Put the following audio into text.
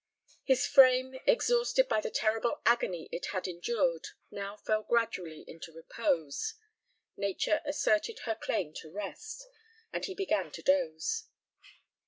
His frame, exhausted by the terrible agony it had endured, now fell gradually into repose; nature asserted her claim to rest, and he began to dose.